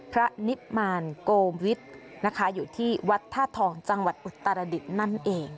พระนิพมารโกวิทย์นะคะอยู่ที่วัดธาตุทองจังหวัดอุตรดิษฐ์นั่นเอง